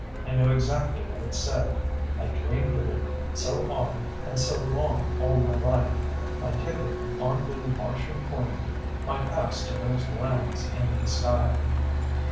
I knew exactly what it said. I'd dreamed of it so often and so long all my life. My ticket on the Martian Queen. My pass to those lands in the sky.